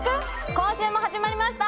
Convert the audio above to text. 今週も始まりました